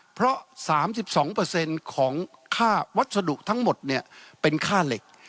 เพราะสามสิบสองเปอร์เซ็นต์ของค่าวัสดุทั้งหมดเนี้ยเป็นค่าเหล็ก